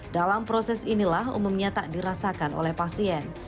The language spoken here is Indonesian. dalam proses inilah umumnya tak dirasakan oleh pasien